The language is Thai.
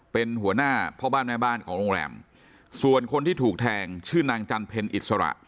เป็นหัวหน้าพ่อบ้านแม่บ้านของโรงแรมส่วนคนที่ถูกแทงชื่อนางจันเพ็ญอิสระ